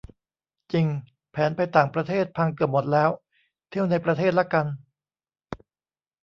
จริง แผนไปต่างประเทศพังเกือบหมดแล้ว เที่ยวในประเทศละกัน